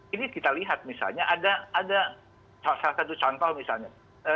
ini kita lihat misalnya ada salah satu contoh misalnya